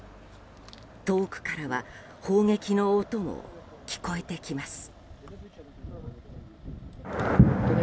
遠くからは砲撃の音も聞こえてきます。